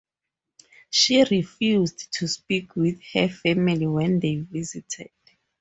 She refused to speak with her family when they visited.